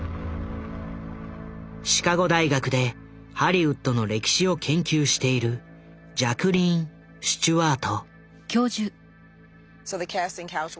シカゴ大学でハリウッドの歴史を研究しているジャクリーン・スチュワート。